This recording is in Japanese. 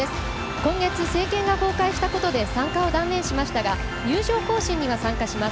今月、政権が崩壊したことで参加を断念しましたが入場行進には参加します。